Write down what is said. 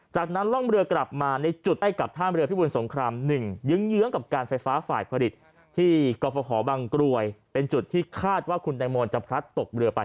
จากนั้นล่องเรือกลับมาในจุดใกล้กับท่ามเรือพิบูรสงคราม๑เยื้องกับการไฟฟ้าฝ่ายผลิตที่กรฟภบังกรวยเป็นจุดที่คาดว่าคุณแตงโมจะพลัดตกเรือไป